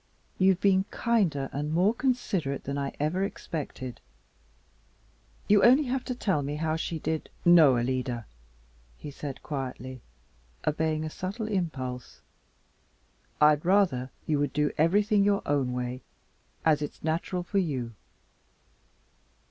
You've been kinder and more considerate than I ever expected. You have only to tell me how she did " "No, Alida," he said quietly, obeying a subtle impulse. "I'd rather you would do everything your own way as it's natural for you.